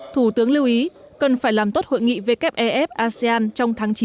thủ tướng lưu ý cần phải làm tốt hội nghị wf asean trong tháng chín tới